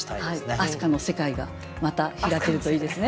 明日香の世界がまた開けるといいですね。